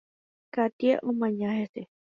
Katie omaña hese.